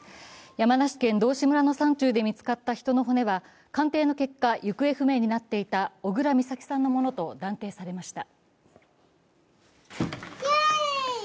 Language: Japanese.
山梨県道志村の山中で見つかった人の骨は鑑定の結果、行方不明になっていた小倉美咲さんのものと断定されました。